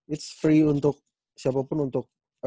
it s free untuk siapapun untuk